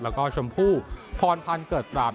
แล้วก็ชมพู่พรพันธ์เกิดตราบ